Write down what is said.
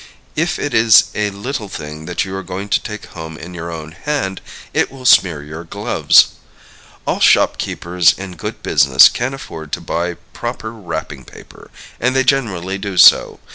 If it is a little thing that you are going to take home in your own hand, it will smear your gloves. All shopkeepers in good business can afford to buy proper wrapping paper, and they generally do so.